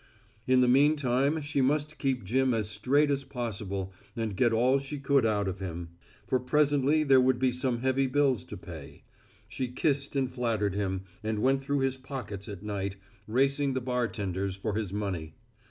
In the meantime she must keep Jim as straight as possible and get all she could out of him. For presently there would be some heavy bills to pay. She kissed and flattered him, and went through his pockets at night, racing the bartenders for his money.